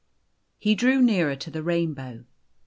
He drew nearer to the rainbow.